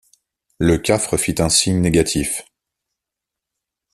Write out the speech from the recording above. Le Cafre fit un signe négatif.